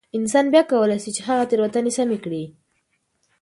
انسان بيا کولای شي هغه تېروتنې سمې کړي.